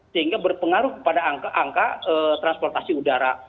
sehingga berpengaruh kepada angka transportasi udara